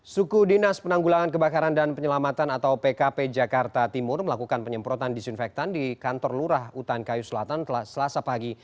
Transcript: suku dinas penanggulangan kebakaran dan penyelamatan atau pkp jakarta timur melakukan penyemprotan disinfektan di kantor lurah utan kayu selatan selasa pagi